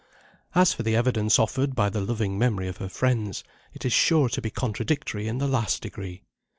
As for the evidence offered by the loving memory of her friends, it is sure to be contradictory in the last degree.